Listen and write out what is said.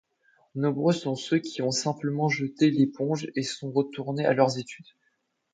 Nombreux sont ceux qui ont simplement jeté l'éponge et sont retournés à leurs études.